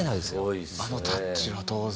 あのタッチは当然。